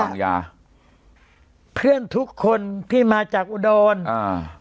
ห้องยาเพื่อนทุกคนที่มาจากอุดรอ่า